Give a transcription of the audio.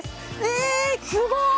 えすごい！